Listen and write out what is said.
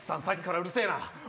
さっきからうるせぇな。